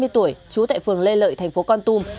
hai mươi tuổi trú tại phường lê lợi thành phố con tôm